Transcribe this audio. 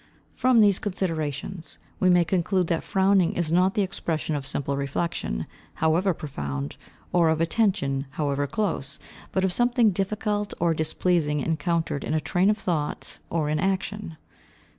From these considerations, we may conclude that frowning is not the expression of simple reflection, however profound, or of attention, however close, but of something difficult or displeasing encountered in a train of thought or in action.